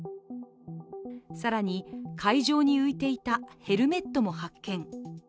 更に、海上に浮いていたヘルメットも発見。